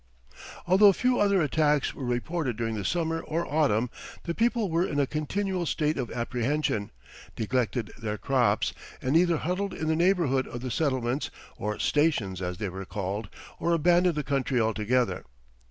Although few other attacks were reported during the summer or autumn, the people were in a continual state of apprehension, neglected their crops, and either huddled in the neighborhood of the settlements, or "stations" as they were called, or abandoned the country altogether.